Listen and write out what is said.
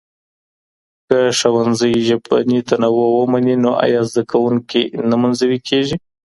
که ښوونځی ژبني تنوع ومني نو ایا زده کوونکي نه منزوي کېږي.